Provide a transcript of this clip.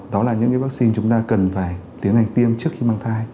đó là những vaccine chúng ta cần phải tiến hành tiêm trước khi mang thai